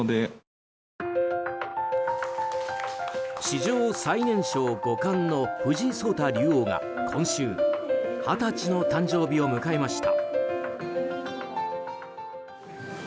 史上最年少五冠の藤井聡太竜王が今週、二十歳の誕生日を迎えました。